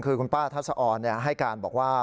คือคุณป้าทัศออนให้การบอกว่า